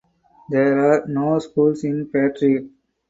There are no schools in Patrick.